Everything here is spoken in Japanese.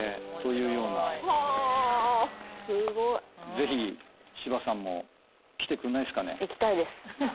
ぜひ柴さんも来てくんないっすかね？